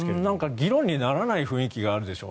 議論にならない雰囲気があるでしょ。